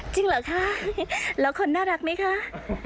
จริงเหรอคะแล้วคนน่ารักไหมคะ